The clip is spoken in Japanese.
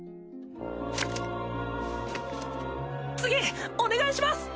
次お願いします！